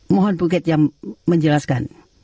mohon bu gat yang menjelaskan